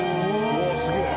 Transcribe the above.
うわあすげえ。